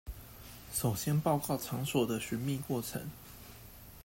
首先報告場所的尋覓過程